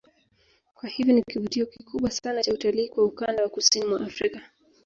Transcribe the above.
Kwa hiyo ni kivutio kikubwa sana cha utalii kwa ukanda wa kusini mwa Afrika